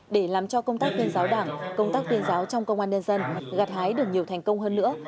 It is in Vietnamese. để làm cho công tác tuyên giáo đảng công tác tuyên giáo trong công an nhân dân gạt hái được nhiều thành công hơn nữa